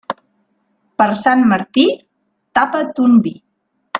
Per Sant Martí, tapa ton vi.